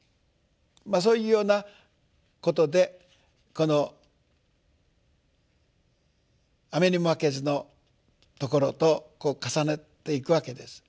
まあそういうようなことでこの「雨ニモマケズ」のところと重ねていくわけです。